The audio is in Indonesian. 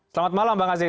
selamat malam bang aziz